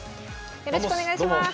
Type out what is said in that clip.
よろしくお願いします。